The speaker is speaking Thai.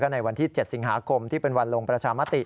ในวันที่๗สิงหาคมที่เป็นวันลงประชามติ